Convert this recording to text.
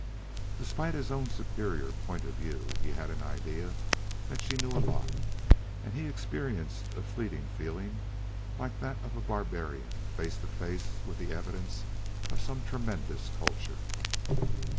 Despite his own superior point of view, he had an idea that she knew a lot, and he experienced a fleeting feeling like that of a barbarian face to face with the evidence of some tremendous culture.